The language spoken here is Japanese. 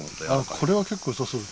これは結構よさそう。